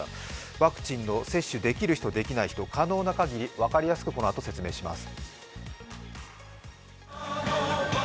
ワクチンの接種できる人、できない人、可能な限り分かりやすくこのあと説明します。